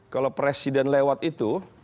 kalau presiden lewat itu